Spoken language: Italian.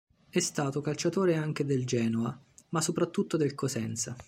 È stato calciatore anche del Genoa ma soprattutto del Cosenza.